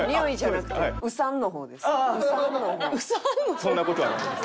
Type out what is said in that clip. そんな事はないです。